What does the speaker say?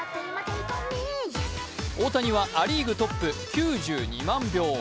大谷はア・リーグトップ、９２万票。